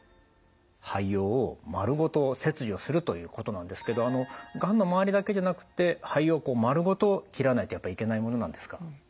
肺葉をまるごと切除するということなんですけどがんの周りだけじゃなくって肺葉をまるごと切らないとやっぱりいけないものなんですか？